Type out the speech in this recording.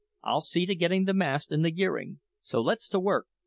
I'll see to getting the mast and the gearing; so let's to work."